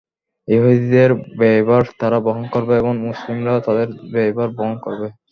ইহুদিদের ব্যয়ভার তারা বহন করবে এবং মুসলিমরা তাদের ব্যয়ভার বহন করবে।